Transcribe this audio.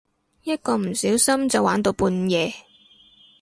一個唔小心就玩到半夜